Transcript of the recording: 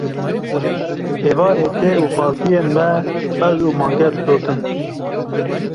Êvarê dê û xaltiyên me pez û mangê didotin